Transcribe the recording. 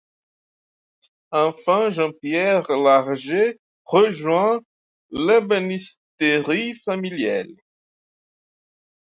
Enfin Jean Pierre Larget rejoint l'ébénisterie familiale.